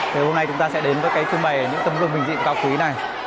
thì hôm nay chúng ta sẽ đến với cái trưng bày những tâm gương bình dị cao quý này